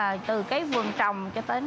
lựa những cái vùng trồng cho đến